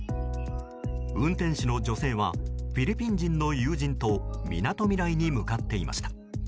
運転手の女性はフィリピン人の友人とみなとみらいに向かっていました。